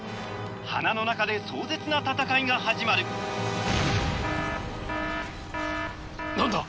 鼻の中で壮絶な戦いが始まるなんだ